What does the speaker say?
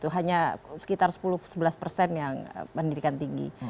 hanya sekitar sepuluh sebelas persen yang pendidikan tinggi